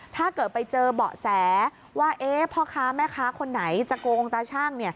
ถ้าเกิดไปเจอเบาะแสว่าพ่อค้าแม่ค้าคนไหนจะโกงตาชั่ง